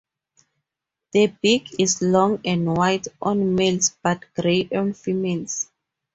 The beak is long and white on males but grey on females.